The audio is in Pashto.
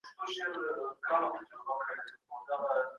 د علم په وسيله د کائناتو په رازونو ځان پوه کړه.